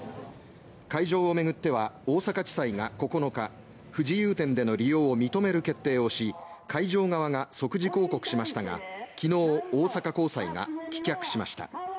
会場を巡っては大阪地裁が９日不自由展での利用を認める決定をし会場側が即時抗告しましたが昨日、大阪高裁が棄却しました。